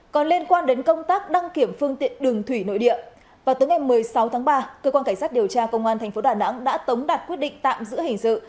còn liên quan đến công tác đăng kiểm phương tiện đường thủy nội địa vào tối ngày một mươi sáu tháng ba cơ quan cảnh sát điều tra công an tp đà nẵng đã tống đạt quyết định tạm giữ hình sự